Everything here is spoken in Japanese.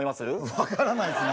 分からないですね